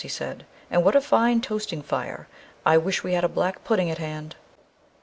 he said, "and what a fine toasting fire! I wish we had a black pudding at hand."